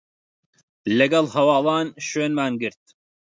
لەگەڵ هەواڵان شوێنمان گرت